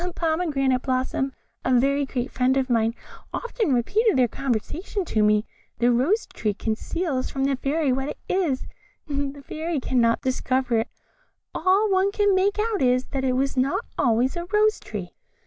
A pomegranate blossom, a very great friend of mine, often repeated their conversation to me. The Rose tree conceals from the Fairy what it is the Fairy cannot discover it; all one can make out is, that it was not always a rose tree."